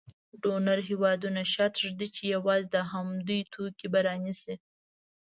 ډونر هېوادونه شرط ږدي چې یوازې د همدوی توکي به رانیسي.